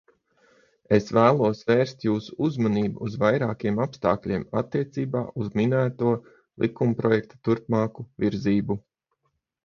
Es vēlos vērst jūsu uzmanību uz vairākiem apstākļiem attiecībā uz minētā likumprojekta turpmāko virzību.